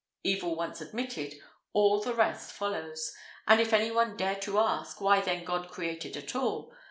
Evil once admitted, all the rest follows; and if any one dare to ask, why then God created at all?